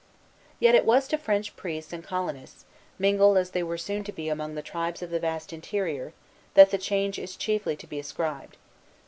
Yet it was to French priests and colonists, mingled as they were soon to be among the tribes of the vast interior, that the change is chiefly to be ascribed.